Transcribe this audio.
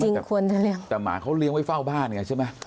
ควรจะเลี้ยงแต่หมาเขาเลี้ยงไว้เฝ้าบ้านไงใช่ไหม